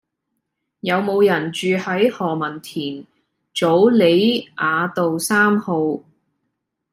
有無人住喺何文田棗梨雅道三號